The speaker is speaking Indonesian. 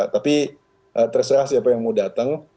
tapi terserah siapa yang mau datang